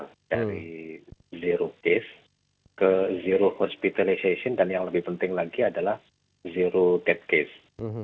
dari zero case ke zero hospitalization dan yang lebih penting lagi adalah zero death case